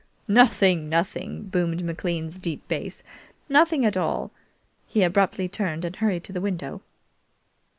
"Nothing, nothing!" boomed McLean's deep bass; "nothing at all!" He abruptly turned, and hurried to the window.